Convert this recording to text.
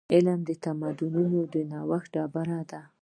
علم د تمدنونو د بنسټ ډبره ده.